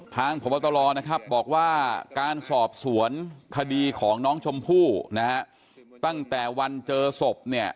ทางพบตลอบบอกว่าการสอบสวนคดีของน้องชมพู่ตั้งแต่วันเจอศพ